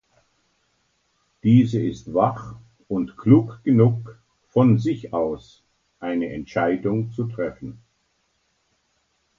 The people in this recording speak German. Diese ist wach und klug genug, von sich aus eine Entscheidung zu treffen.